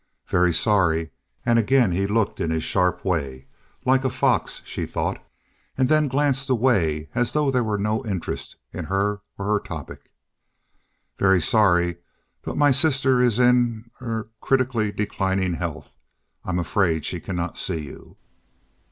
"Very sorry," and again he looked in his sharp way like a fox, she thought and then glanced away as though there were no interest in her or her topic. "Very sorry, but my sister is in er critically declining health. I'm afraid she cannot see you."